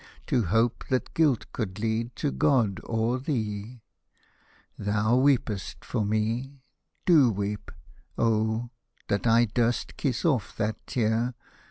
To hope that guilt could lead to God or thee I Thou weep'st for me — do weep — oh, that I durst Kiss off that tear